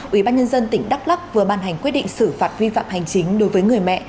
ủy ban nhân dân tỉnh đắk lắk vừa ban hành quyết định xử phạt vi phạm hành chính đối với người mẹ